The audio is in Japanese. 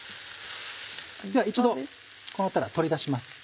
では一度こうなったら取り出します。